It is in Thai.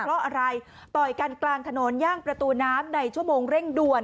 เพราะอะไรต่อยกันกลางถนนย่างประตูน้ำในชั่วโมงเร่งด่วน